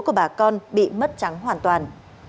của bà con bị mất trắng hoàn toàn